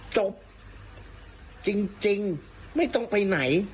จบจริงไม่ต้องไปไหน